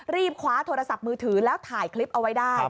คว้าโทรศัพท์มือถือแล้วถ่ายคลิปเอาไว้ได้